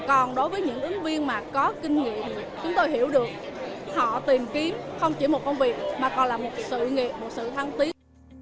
còn đối với những ứng viên mà có kinh nghiệm chúng tôi hiểu được họ tìm kiếm không chỉ một công việc mà còn là một sự nghiệp một sự thăng tiến